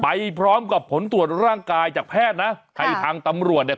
ไปพร้อมกับผลตรวจร่างกายจากแพทย์นะให้ทางตำรวจเนี่ย